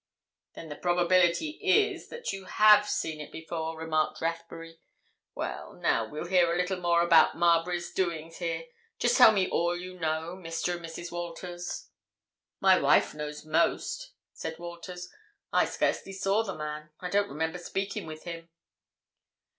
"Then the probability is that you have seen it before," remarked Rathbury. "Well—now we'll hear a little more about Marbury's doings here. Just tell me all you know, Mr. and Mrs. Walters." "My wife knows most," said Walters. "I scarcely saw the man—I don't remember speaking with him."